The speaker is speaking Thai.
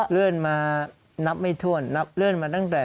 เลื่อนมานับไม่ถ้วนนับเลื่อนมาตั้งแต่